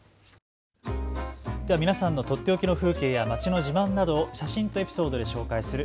皆さんのとっておきの風景や街の自慢などを写真とエピソードで紹介する＃